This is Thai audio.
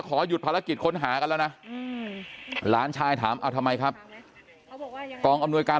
ขอหยุดภารกิจค้นหากันแล้วนะหลานชายถามเอาทำไมครับกองอำนวยการ